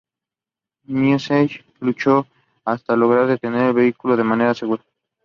Mansell luchó hasta lograr detener el vehículo de manera segura.